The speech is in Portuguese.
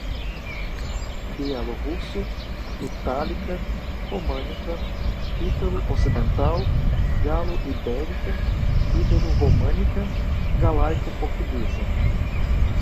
bielorrusso, itálica, românica, ítalo-ocidental, galo-ibérica, ibero-românica, galaico-portuguesa